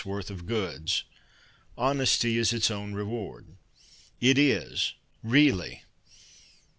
worth of goods. Honesty is its own reward It is really.